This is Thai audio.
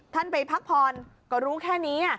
ท่านไปพักผ่อนก็รู้แค่นี้